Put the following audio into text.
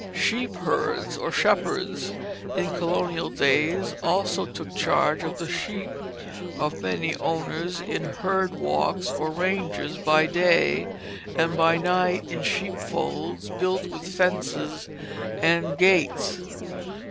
Sheep herds or shepherds in colonial days also took charge of the sheep of many owners in herd walks, or ranges, by day, and by night in sheep folds built with fences and gates.